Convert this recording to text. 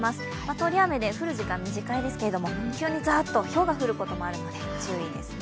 通り雨で、降る時間は短いですけれども、急にざーっとひょうが降る可能性があるので、注意ですね。